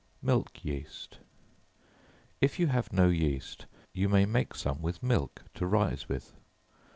Milk Yeast. If you have no yeast, you may make some with milk, to rise with.